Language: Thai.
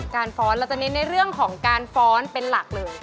ฟ้อนเราจะเน้นในเรื่องของการฟ้อนเป็นหลักเลย